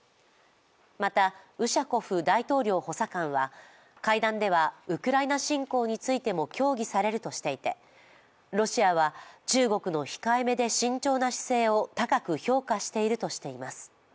また、ウシャコフ大統領補佐官は会談ではウクライナ侵攻についても協議されるとしていて、ロシアは中国の控えめで慎重な姿勢を高く評価しているとしています。